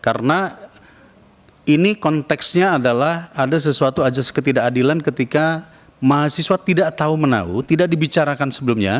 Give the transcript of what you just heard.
karena ini konteksnya adalah ada sesuatu ajas ketidakadilan ketika mahasiswa tidak tahu menahu tidak dibicarakan sebelumnya